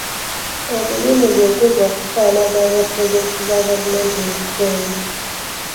Omulimu gwe gwa kukwanaganya pulojekiti za gavumenti mu kitundu.